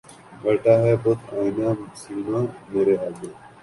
بیٹھا ہے بت آئنہ سیما مرے آگے